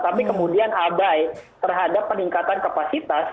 tapi kemudian abai terhadap peningkatan kapasitas